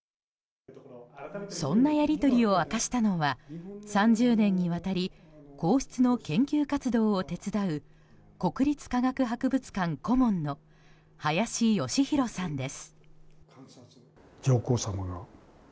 そんなやり取りを明かしたのは３０年にわたり皇室の研究活動を手伝う国立科学博物館顧問の林良博さんです。